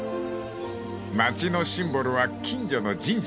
［町のシンボルは近所の神社］